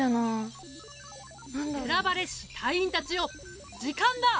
選ばれし隊員たちよ時間だ。